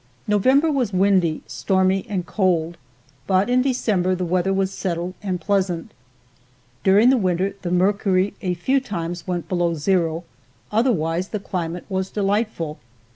November was windy, stormy and cold, but in December the weather was settled and pleasant. During the winter the mercury a few times went below zero; otherwise the climate was delightful.